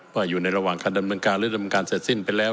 ว่าอยู่ในระหว่างการดำเนินการหรือดำเนินการเสร็จสิ้นไปแล้ว